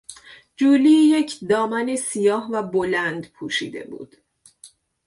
جولی یک دامن سیاه و بلند پوشیده بود.